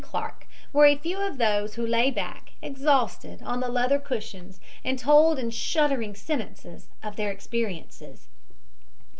Clark were a few of those who lay back, exhausted, on the leather cushions and told in shuddering sentences of their experiences.